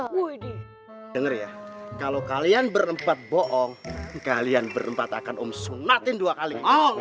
wuih denger ya kalau kalian berempat bohong kalian berempat akan om sunatin dua kali